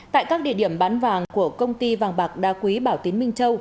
tại các địa điểm bán vàng của công ty vàng bạc đa quý bảo tín minh châu